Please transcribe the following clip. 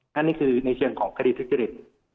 นั่นนี่คือในเชิงของคดีทุกข์จริง